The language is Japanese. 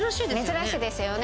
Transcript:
珍しいですよね。